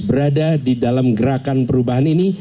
berada di dalam gerakan perubahan ini